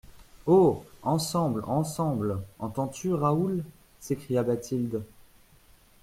Oh ! ensemble, ensemble ! entends-tu Raoul ? s'écria Bathilde.